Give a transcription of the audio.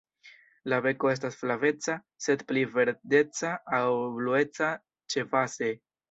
La beko estas flaveca, sed pli verdeca aŭ blueca ĉebaze.